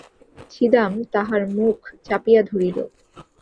ছিদাম তাহার মুখ চাপিয়া ধরিল।